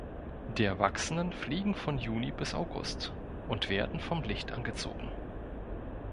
Die Erwachsenen fliegen von Juni bis August und werden vom Licht angezogen.